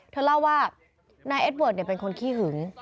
เธอเล่าว่านายเอ็ดเวิร์ดเป็นคนขี้หึง